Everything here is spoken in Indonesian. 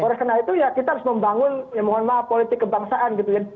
oleh karena itu ya kita harus membangun ya mohon maaf politik kebangsaan gitu ya